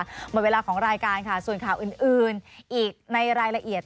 หมดเวลาของรายการค่ะส่วนข่าวอื่นอีกในรายละเอียด